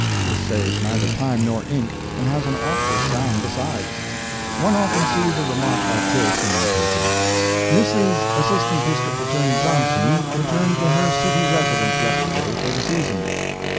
This saves neither time nor ink, and has an awkward sound besides. One often sees a remark like this in our papers: "MRS. Assistant District Attorney Johnson returned to her city residence yesterday for the season."